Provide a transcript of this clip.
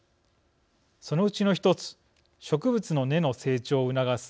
そのうちの１つ植物の根の成長を促す